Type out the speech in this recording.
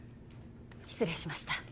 失礼しました